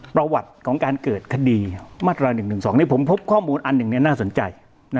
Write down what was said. ประวัติของการเกิดคดีมาตรา๑๑๒ผมพบข้อมูลอันหนึ่งน่าสนใจ